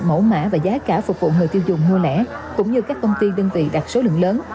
mẫu mã và giá cả phục vụ người tiêu dùng mua lẻ cũng như các công ty đơn vị đặt số lượng lớn